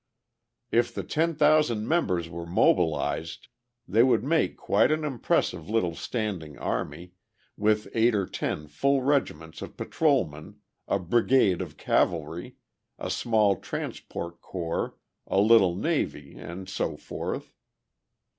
If the ten thousand members were mobilized, they would make quite an impressive little standing army, with eight or ten full regiments of patrolmen, a brigade of cavalry, a small transport corps, a little navy, and so forth.